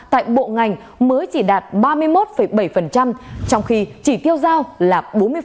tại bộ ngành mới chỉ đạt ba mươi một bảy trong khi chỉ tiêu giao là bốn mươi